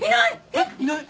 えっいない。